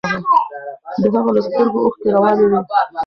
د هغه له سترګو اوښکې روانې وې.